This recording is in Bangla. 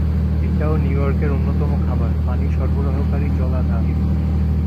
এটাও নিউ ইয়র্কের অন্যতম খাবার পানি সরবরাহকারী জলাধার।